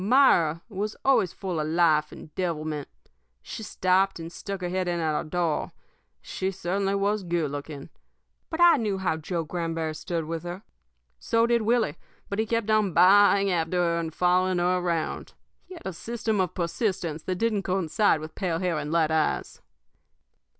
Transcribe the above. Myra was always full of life and devilment. She stopped and stuck her head in our door. She certainly was good looking. But I knew how Joe Granberry stood with her. So did Willie; but he kept on ba a a ing after her and following her around. He had a system of persistence that didn't coincide with pale hair and light eyes.